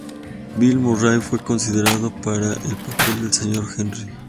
Bill Murray fue considerado para el papel del Señor Henry.